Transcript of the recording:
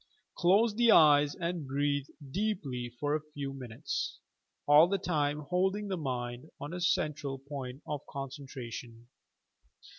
Close the eyes and breathe deeply for a few minutes, all the time holding the mind on a centra] point of concentration.